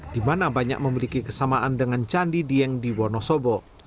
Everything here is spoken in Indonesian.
di mana banyak memiliki kesamaan dengan candi dieng di wonosobo